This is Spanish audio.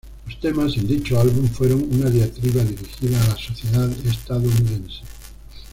Los temas en dicho álbum fueron una diatriba dirigida a la sociedad estadounidense.